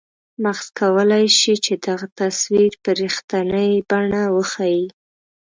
مغز کولای شي چې دغه تصویر په رښتنیې بڼه وښیي.